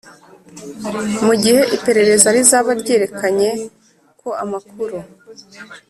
Mu gihe iperereza rizaba ryerekanye ko amakuru